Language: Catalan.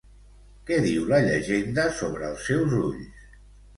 Què diu la llegenda sobre els seus ulls?